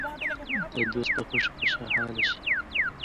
د دوست په خوښۍ خوشحاله شئ.